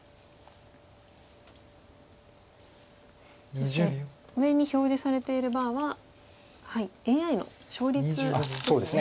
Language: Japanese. そして上に表示されているバーはＡＩの勝率ですね。